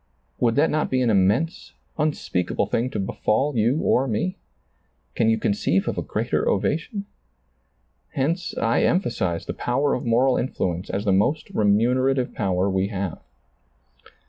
Would that not be an immense, unspeakable thing to befall you or me ? Can you conceive of a greater ova tion ? Hence I emphasize the power of moral influence as the most remunerative power we have.